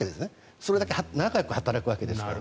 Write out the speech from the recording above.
それだけ長く働くわけですから。